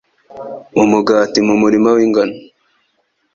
Mu mugati mu murima w'ingano,